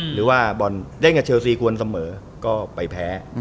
หรือว่าเย็นกับเชลซีควรเสมอก็ไปแพ้